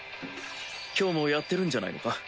きょうもやってるんじゃないのか？